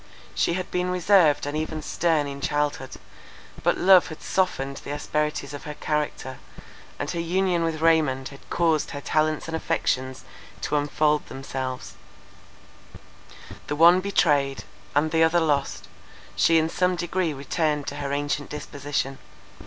She had been reserved and even stern in childhood; but love had softened the asperities of her character, and her union with Raymond had caused her talents and affections to unfold themselves; the one betrayed, and the other lost, she in some degree returned to her ancient disposition.